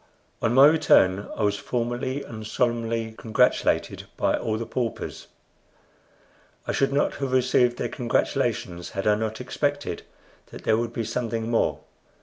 On my return I was formally and solemnly congratulated by all the paupers. I should not have received their congratulations had I not expected that there would be something more.